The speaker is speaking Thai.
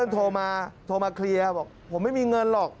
โทรมาโทรมาเคลียร์บอกผมไม่มีเงินหรอก